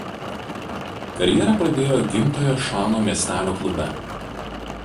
Karjerą pradėjo gimtojo Šano miestelio klube.